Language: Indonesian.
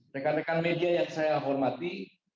rekan rekan media yang saya hormati